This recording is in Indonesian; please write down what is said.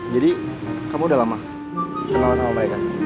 jadi kamu udah lama kenalan sama mereka